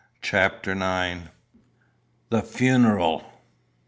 CHAPTER IX. THE FUNERAL.